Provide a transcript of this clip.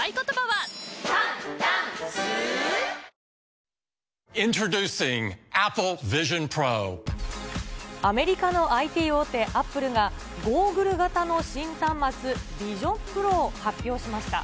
また緊急停止ボタンを押す場合、アメリカのＩＴ大手アップルが、ゴーグル型の新端末、ビジョンプロを発表しました。